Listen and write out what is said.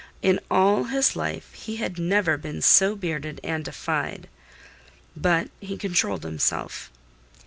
In all his life he had never been so bearded and defied. But he controlled himself.